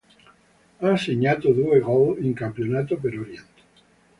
Ha segnato due gol in campionato per Orient.